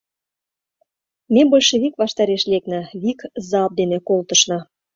Ме большевик ваштареш лекна, вик залп дене колтышна.